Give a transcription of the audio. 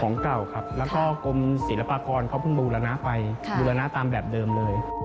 เก่าครับแล้วก็กรมศิลปากรเขาเพิ่งบูรณะไปบูรณะตามแบบเดิมเลย